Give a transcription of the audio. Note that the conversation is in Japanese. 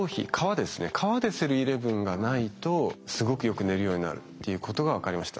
皮でｓｅｌー１１がないとすごくよく寝るようになるっていうことが分かりました。